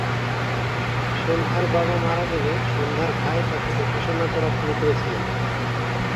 সন্ধ্যার বাবা মারা গেলে সন্ধ্যার ভাই তাকে দেখাশোনা করা শুরু করেছিলেন।